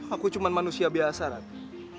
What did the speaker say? aku cuma manusia biasa ratu